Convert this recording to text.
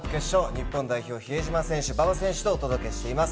日本代表、比江島選手、馬場選手とお届けしています。